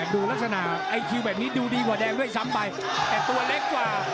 ดูลักษณะไอคิวแบบนี้ดูดีกว่าแดงด้วยซ้ำไปแต่ตัวเล็กกว่า